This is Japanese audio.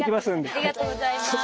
ありがとうございます。